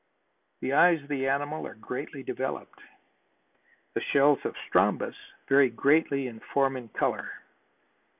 The eyes of the animal are greatly developed. The shells of Strombus vary greatly in form and color.